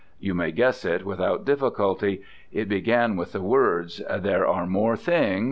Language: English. You may guess it without difficulty. It began with the words "There are more things."